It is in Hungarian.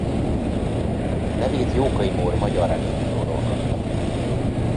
Nevét Jókai Mór magyar regényíróról kapta.